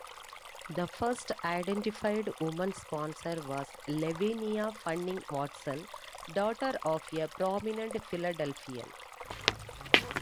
The first "identified" woman sponsor was Lavinia Fanning Watson, daughter of a prominent Philadelphian.